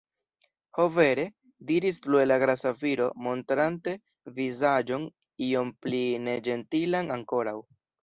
Ho, vere!? diris plue la grasa viro, montrante vizaĝon iom pli neĝentilan ankoraŭ.